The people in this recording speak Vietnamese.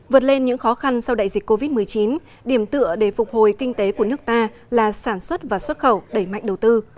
vượt lên những khó khăn sau đại dịch covid một mươi chín điểm tựa để phục hồi kinh tế của nước ta là sản xuất và xuất khẩu đẩy mạnh đầu tư